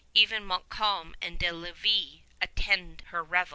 Even Montcalm and De Lévis attend her revels.